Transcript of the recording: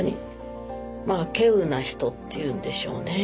まあけうな人っていうんでしょうね。